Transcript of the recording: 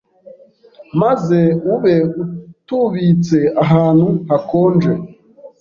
maze ube utubitse ahantu hakonje